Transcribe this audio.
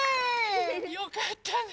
よかったね！